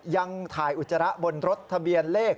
ยังถ่ายอุจจาระบนรถทะเบียนเลข